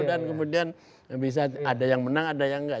dan kemudian ada yang menang ada yang enggak